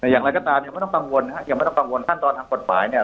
แต่อย่างไรก็ตามยังไม่ต้องกังวลนะครับยังไม่ต้องกังวลขั้นตอนทางกฎหมายเนี่ย